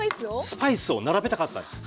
スパイスを並べたかったんです。